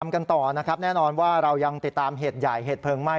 กันต่อนะครับแน่นอนว่าเรายังติดตามเหตุใหญ่เหตุเพลิงไหม้